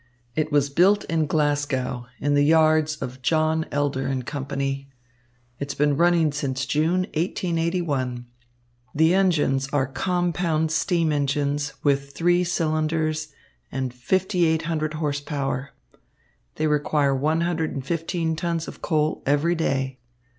It was built in Glasgow in the yards of John Elder and Company. It has been running since June, 1881. The engines are compound steam engines with three cylinders and 5800 horse power. They require one hundred and fifteen tons of coal every day.